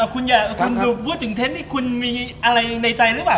คุณพูดถึงเท๊ฟมีอะไรในใจรึเปล่า